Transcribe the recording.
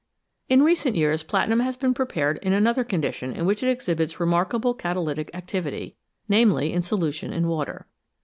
In recent years platinum has been prepared in another condition in which it exhibits remarkable catalytic act ivity, namely in solution in water.